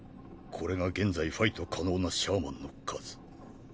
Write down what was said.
これが現在ファイト可能なシャーマンの数。